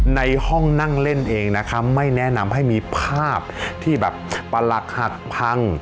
ในห้องนั่งเล่นเองนะคะไม่แนะนำให้มีภาพที่แบบประหลักหักพัง